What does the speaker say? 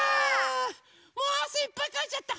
もうあせいっぱいかいちゃった。